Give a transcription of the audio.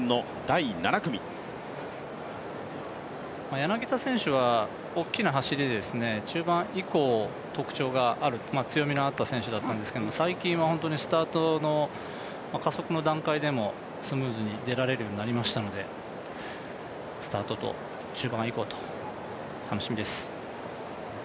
柳田選手は大きな走りで中盤以降、特徴がある、強みのあった選手だったんですが、最近はスタートの加速の段階でもスムーズに出られるようになりましたのでスタートと中盤以降と楽しみです。